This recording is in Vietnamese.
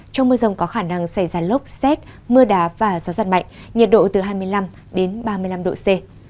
trong mưa rông có khả năng xảy ra lốc xét mưa đá và gió giật mạnh nhiệt độ từ hai mươi năm đến ba mươi năm độ c